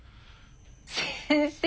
先生